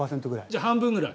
じゃあ半分ぐらい。